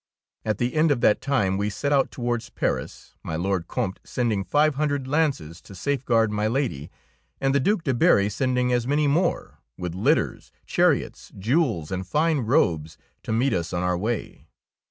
At the end of that time we set out towards Paris, my Lord Comte sending five hundred lances to safeguard my Lady, and the Due de Berry sending as many more, with litters, chariots, jewels, and fine robes to meet us on our way.